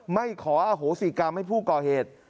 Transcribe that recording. ไม่ขออโหสิกรรมให้ผู้ก่อเหตุ